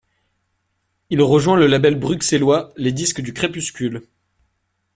Il rejoint le label bruxellois les disques du crépuscule.